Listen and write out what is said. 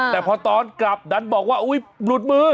แต่พอตอนกลับดันบอกว่าอุ๊ยหลุดมือ